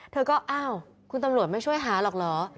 เธอก็อ้าวคุณตำรวจไม่ช่วยหาหรอกเหรอ